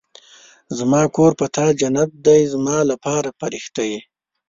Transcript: زما کور په تا جنت دی زما لپاره فرښته يې